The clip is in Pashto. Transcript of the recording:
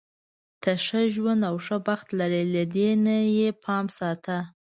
ته ښه ژوند او ښه بخت لری، له دې نه یې پام ساته.